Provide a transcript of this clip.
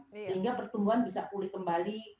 sehingga pertumbuhan bisa pulih kembali